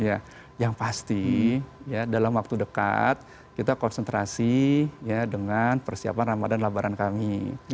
ya yang pasti ya dalam waktu dekat kita konsentrasi ya dengan persiapan ramadan kami